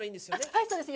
はいそうです